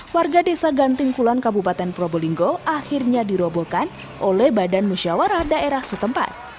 warga desa gantingkulan kabupaten probolinggo akhirnya dirobohkan oleh badan musyawarah daerah setempat